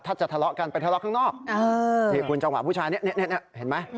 ถ้าจะทะเลาะกันไปทะเลาะข้างนอกนี่คุณจังหวะผู้ชายเนี่ยเห็นไหม